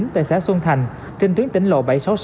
tại xã xuân thành trên tuyến tỉnh lộ bảy trăm sáu mươi sáu